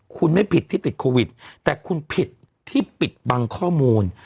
คุณไม่ผิดที่ติดโควิดแต่คุณผิดที่ปิดบังข้อมูล